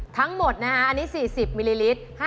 ทั้งหมดนะฮะอันนี้๔๐มิลลิลิตร